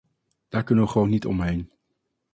Daar kunnen we gewoon niet omheen.